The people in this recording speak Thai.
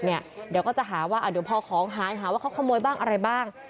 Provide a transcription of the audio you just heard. เดี๋ยวก็จะหาว่าเดี๋ยวพอของหายหาว่าเขาขโมยบ้างอะไรบ้าง